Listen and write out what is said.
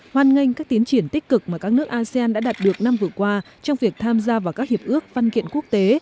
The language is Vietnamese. hoan nghênh các tiến triển tích cực mà các nước asean đã đạt được năm vừa qua trong việc tham gia vào các hiệp ước văn kiện quốc tế